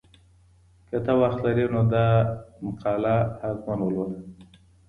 که ته وخت لرې نو دا مقاله حتماً ولوله.